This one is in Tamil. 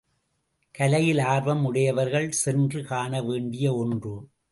கலையில் ஆர்வம் உடையவர்கள் சென்று காண வேண்டிய ஒன்று.